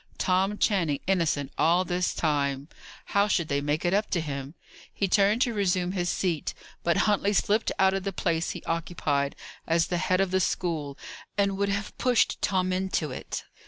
Tom Channing innocent all this time! How should they make it up to him? He turned to resume his seat, but Huntley slipped out of the place he occupied as the head of the school, and would have pushed Tom into it.